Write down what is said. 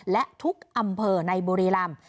และทุกอำเภอในบุรีรำ